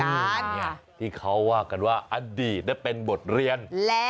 นี่้อยตูบันเนี่ยที่เขาว่ากันว่าอดีตได้เป็นบทเรียน